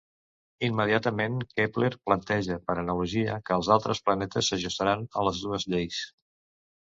Immediatament, Kepler planteja, per analogia, que els altres planetes s'ajustaran a les dues lleis.